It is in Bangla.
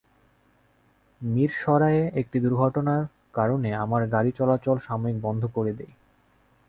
মিরসরাইয়ে একটি দুর্ঘটনার কারণে আমরা গাড়ি চলাচল সাময়িক বন্ধ করে দিই।